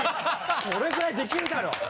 これぐらいできるだろ！